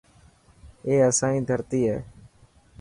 اي اسائي ڌرتي هي.